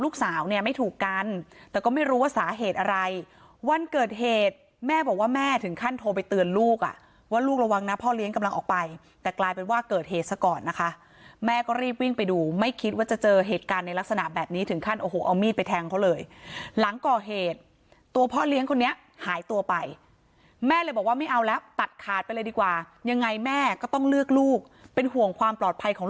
ขั้นโทรไปเตือนลูกอ่ะว่าลูกระวังนะพ่อเลี้ยงกำลังออกไปแต่กลายเป็นว่าเกิดเหตุซะก่อนนะคะแม่ก็รีบวิ่งไปดูไม่คิดว่าจะเจอเหตุการณ์ในลักษณะแบบนี้ถึงขั้นโอ้โหเอามีดไปแทงเขาเลยหลังก่อเหตุตัวพ่อเลี้ยงคนนี้หายตัวไปแม่เลยบอกว่าไม่เอาแล้วตัดขาดไปเลยดีกว่ายังไงแม่ก็ต้องเลือกลูกเป็นห่วง